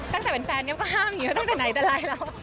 ตั้งแต่เป็นแฟนเนี่ยก็ห้ามอยู่ตั้งแต่ไหนได้เลย